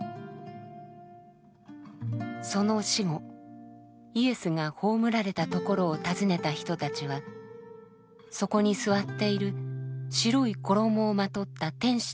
その死後イエスが葬られたところを訪ねた人たちはそこに座っている白い衣をまとった天使と出会います。